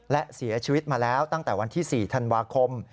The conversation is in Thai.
และเสียชีวิตมาแล้วตั้งแต่วันที่๔ธันวาคม